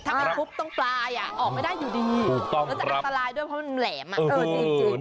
ถ้าไปทุบตรงปลายออกไม่ได้อยู่ดีแล้วจะอันตรายด้วยเพราะมันแหลมจริง